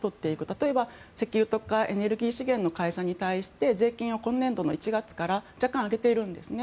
例えば石油とかエネルギー資源の会社に対して税金を今年度の１月から若干上げているんですね。